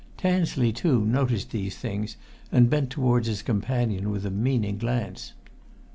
Tansley, too, noticed these things, and bent towards his companion with a meaning glance.